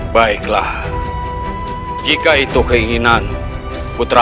baiklah jika itu keinginan putra